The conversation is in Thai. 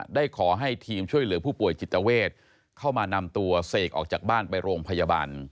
ได้ขอให้ทีมช่วยเหลือผู้ป่วยจิตเวทเข้ามานำตัวเสกออกจากบ้านไปโรงพยาบาล